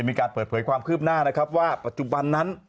มีการเปิดเผยความคืบหน้านะครับว่าปัจจุบันนั้น